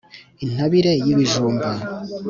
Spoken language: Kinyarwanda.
intabire y’ibijumba